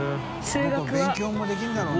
海了勉強もできるんだろうな。